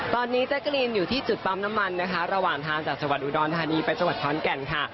ตอนนี้จั๊กกะรีนอยู่ที่จุดปั๊มน้ำมันนะคะระหว่างทางจากฉวดอุดรธรรมดิไปฉวดท้องแก่มค่ะ